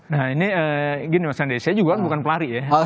nah ini gini mas andi saya juga kan bukan pelari ya